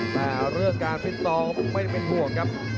แต่เรื่องการฟิตซ้อมไม่ได้เป็นห่วงครับ